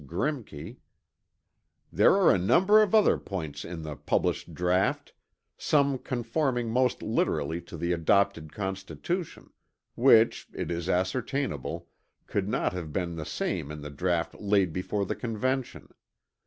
Grimke: "There are a number of other points in the published draught, some conforming most literally to the adopted Constitution, which, it is ascertainable, could not have been the same in the draught laid before the Convention.